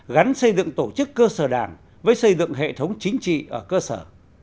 gắn xây dựng tổ chức cơ sở đảng với xây dựng hệ thống chính trị ở cơ sở